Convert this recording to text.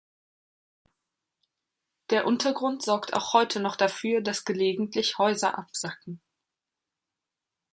Der Untergrund sorgt auch heute noch dafür, dass gelegentlich Häuser absacken.